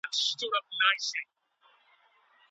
وصف په حاضر کي لغو دی او په غائب کي معتبر دی.